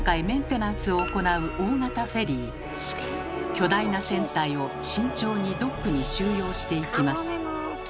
巨大な船体を慎重にドックに収容していきます。